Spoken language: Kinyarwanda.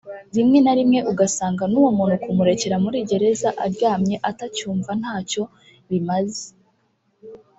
rimwe na rimwe ugasanga n’uwo muntu kumurekera muri gereza aryamye atacyumva ntacyo bimaze